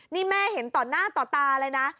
นี่แม่เห็นต่อหน้าต่อตาเลยนะ